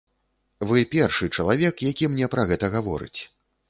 Вы першы чалавек, які мне пра гэта гаворыць.